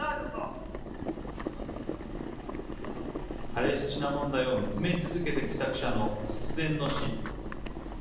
パレスチナ問題を見つめ続けてきた記者の突然の死。